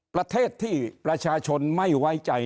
ประเทศที่ประชาชนไม่ไว้ใจ